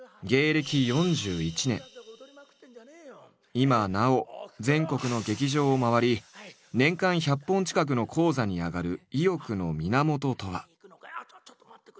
今なお全国の劇場を回り年間１００本近くの高座に上がる意欲の源とは？